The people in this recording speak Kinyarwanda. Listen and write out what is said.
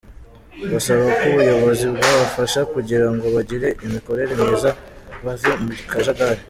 Basaba ko ubuyobozi bwabafasha kugira ngo bagire imikorere myiza bave mu kajagari.